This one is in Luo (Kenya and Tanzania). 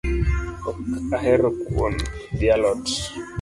Ok ahero kuon gi alot